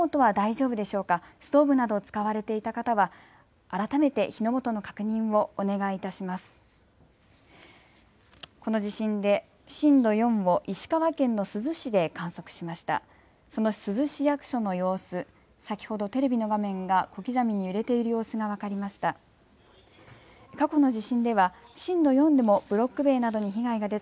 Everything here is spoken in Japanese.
その珠洲市役所の様子、先ほどテレビの画面が小刻みに揺れている様子が分かりました。